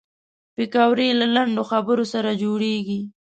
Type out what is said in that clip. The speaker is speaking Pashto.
پکورې له لنډو خبرو سره جوړېږي